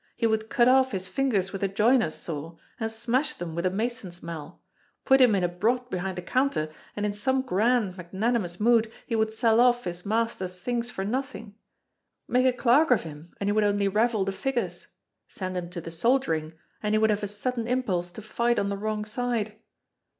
He would cut off his fingers with a joiner's saw, and smash them with a mason's mell; put him in a brot behind a counter, and in some grand, magnanimous mood he would sell off his master's things for nothing; make a clerk of him, and he would only ravel the figures; send him to the soldiering, and he would have a sudden impulse to fight on the wrong side.